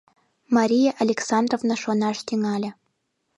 Мария Александровна шонаш тӱҥале.